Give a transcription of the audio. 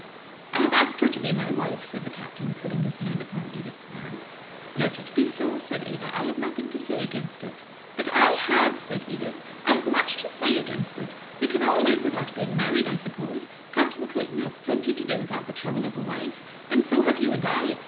"I have asked her to be my wife," said the Captain, putting his hand upon Edith's arm. "Let it be so," said Ada. "I have nothing to say against it." "But I have," said Edith. "I have much to say against it. We can all live without being married, I suppose. Captain Clayton has plenty to do without the trouble of a wife. And so have you and I.